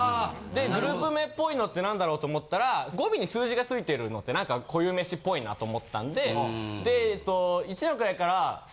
でグループ名っぽいのって何だろうと思ったら語尾に数字が付いてるのって何か固有名詞っぽいなと思ったんで。